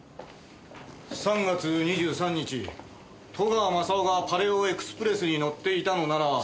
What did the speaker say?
３月２３日戸川雅夫がパレオエクスプレスに乗っていたのなら。